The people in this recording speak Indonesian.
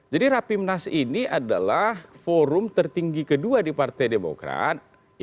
jadi rapimnas ini adalah forum tertinggi kedua di partai demokrat